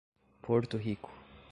Porto Rico